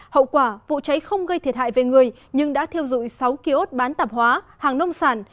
hậu quả vụ cháy không gây thiệt hại về người nhưng đã thiêu dụi sáu ký ốt bán tạp hóa hàng nông sản